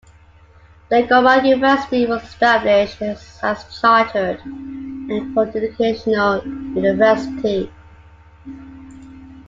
The Gomal University was established as chartered and co-educational university.